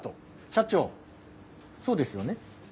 社長そうですよね。